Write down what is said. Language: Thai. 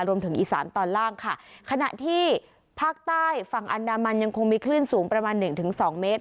รวมถึงอีสานตอนล่างค่ะขณะที่ภาคใต้ฝั่งอันดามันยังคงมีคลื่นสูงประมาณหนึ่งถึงสองเมตร